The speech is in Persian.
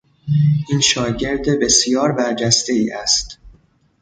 این شاگرد بسیار برجستهای است.